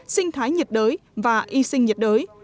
sinh thái nhiệt đới và y sinh nhiệt đới